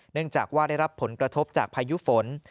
เนื่องจากว่าได้รับผลกระทบจากพายุฝน